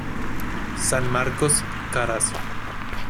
San Marcos, Carazo.